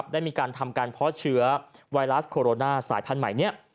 ได้มีการทำการเพาะเชื้อไวรัสโคโรนาสายพันธุ์ใหม่นี้